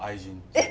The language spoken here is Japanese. えっ。